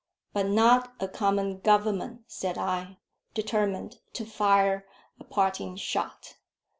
"But not a common Government," said I, determined to fire a parting shot.